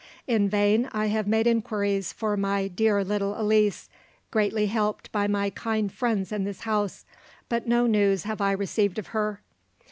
In vain I have made inquiries for my dear little Elise, greatly helped by my kind friends in this house, but no news have I received of her.